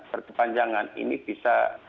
berkepanjangan ini bisa